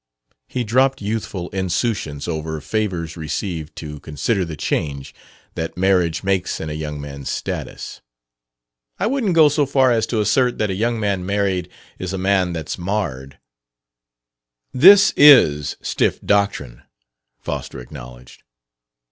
He dropped youthful insouciance over favors received to consider the change that marriage makes in a young man's status. "I wouldn't go so far as to assert that a young man married is a man that's marred " "This is stiff doctrine," Foster acknowledged.